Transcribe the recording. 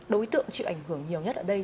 đối tượng chịu ảnh hưởng nhiều nhất ở đây